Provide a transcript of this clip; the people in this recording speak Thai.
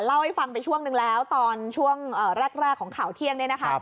เล่าให้ฟังไปช่วงนึงแล้วตอนช่วงแรกของข่าวเที่ยงเนี่ยนะคะ